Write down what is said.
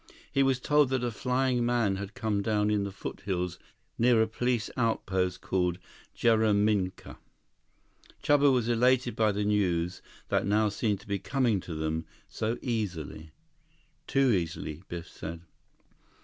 He was told that a flying man had come down in the foothills near a police outpost called Jaraminka. Chuba was elated by the news that now seemed to be coming to them so easily. "Too easily," Biff said.